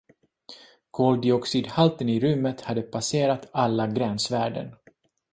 Koldioxidhalten i rummet hade passerat alla gränsvärden.